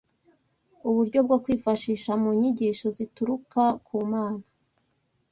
uburyo bwo kwifashisha mu nyigisho zituruka ku Mana.